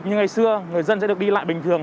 như ngày xưa người dân sẽ được đi lại bình thường